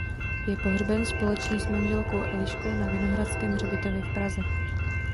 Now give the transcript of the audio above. Je pohřben společně s manželkou Eliškou na Vinohradském hřbitově v Praze.